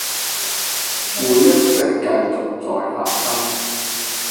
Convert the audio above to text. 會一直繼續再發生